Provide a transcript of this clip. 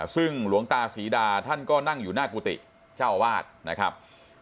ซึ่งหลวงตาศรีดาท่านก็นั่งอยู่หน้ากุฏิเจ้าอาวาสนะครับ